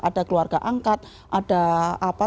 ada keluarga angkat ada apa